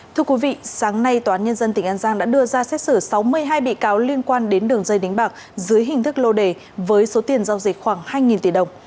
thưa quý vị sáng nay tòa án nhân dân tỉnh an giang đã đưa ra xét xử sáu mươi hai bị cáo liên quan đến đường dây đánh bạc dưới hình thức lô đề với số tiền giao dịch khoảng hai tỷ đồng